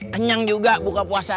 kenyang juga buka puasa